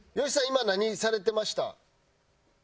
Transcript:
今何されてました？